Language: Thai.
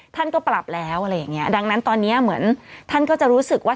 ท่านก็ปรับแล้วอะไรอย่างเงี้ดังนั้นตอนนี้เหมือนท่านก็จะรู้สึกว่า